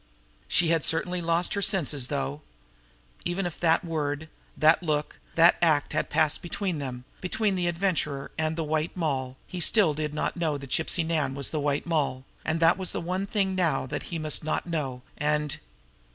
She had certainly lost her senses, though! Even if that word, that look, that act had passed between them, between the Adventurer and the White Moll, he still did not know that Gypsy Nan was the White Moll and that was the one thing now that he must not know, and...